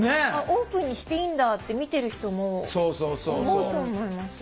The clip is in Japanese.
オープンにしていいんだって見てる人も思うと思います。